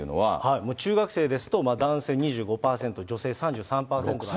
もう中学生ですと男性２５％、女性３３％なんですけども。